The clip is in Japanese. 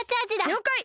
りょうかい！